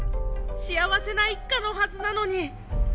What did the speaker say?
幸せな一家のはずなのに。